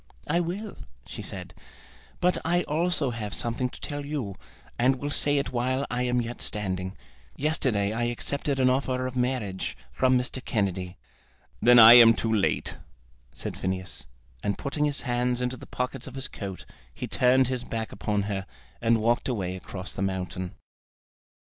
"I will," she said; "but I also have something to tell you, and will say it while I am yet standing. Yesterday I accepted an offer of marriage from Mr. Kennedy." "Then I am too late," said Phineas, and putting his hands into the pockets of his coat, he turned his back upon her, and walked away across the mountain.